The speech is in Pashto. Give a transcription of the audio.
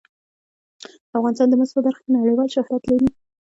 افغانستان د مس په برخه کې نړیوال شهرت لري.